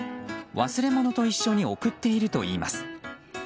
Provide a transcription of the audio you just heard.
忘れ物と一緒に送っているといいます。